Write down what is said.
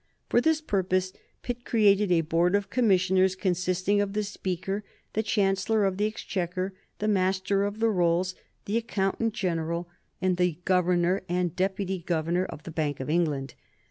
For this purpose Pitt created a Board of Commissioners consisting of the Speaker, the Chancellor of the Exchequer, the Master of the Rolls, the Accountant General, and the Governor and Deputy Governor of the Bank of England.